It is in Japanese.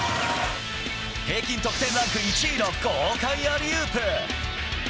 平均得点ランク１位の豪快アリウープ。